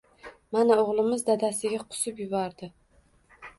“mana o‘g‘limiz dadasiga qusib yubordi”